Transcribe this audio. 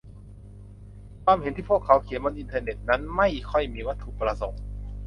ความเห็นที่พวกเขาเขียนบนอินเทอร์เน็ตนั้นไม่ค่อยมีวัตถุประสงค์